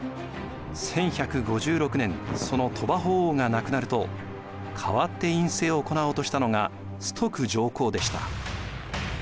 １１５６年その鳥羽法皇が亡くなると代わって院政を行おうとしたのが崇徳上皇でした。